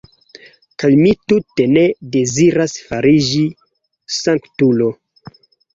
Kaj mi tute ne deziras fariĝi sanktulo!